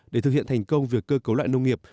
để thực hiện thành công việc cơ cấu lại nông nghiệp